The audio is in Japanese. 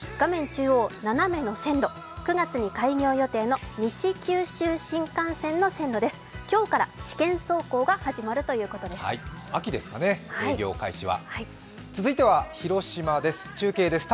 中央斜めの線路、９月に開業予定の西九州新幹線の線路です。